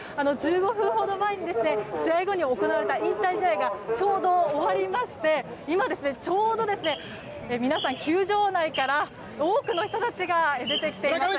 １５分ほど前に試合後に行われた引退試合がちょうど終わりまして今ちょうど皆さん球場内から多くの人たちが出てきています。